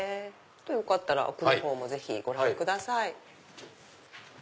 よかったら奥の方もぜひご覧ください。